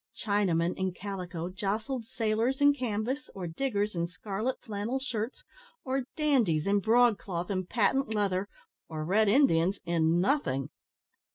Chinamen in calico jostled sailors in canvas, or diggers in scarlet flannel shirts, or dandies in broad cloth and patent leather, or red Indians in nothing!